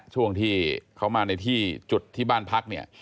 ช่วงที่เขามาในที่จุดที่บ้านพักเนี่ย